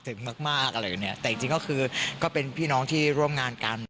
แต่จริงก็คือก็เป็นพี่น้องที่ร่วมงานกัน